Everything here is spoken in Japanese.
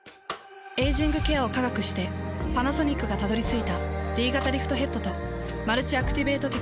エイジングケアを科学してパナソニックがたどり着いたＤ型リフトヘッドとマルチアクティベートテクノロジー。